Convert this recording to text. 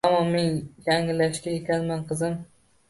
Ammo men yanglishgan ekanman, qizim.